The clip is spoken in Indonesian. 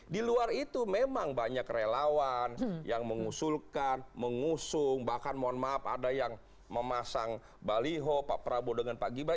di luar itu memang banyak relawan yang mengusulkan mengusung bahkan mohon maaf ada yang memasang baliho pak prabowo dengan pak gibran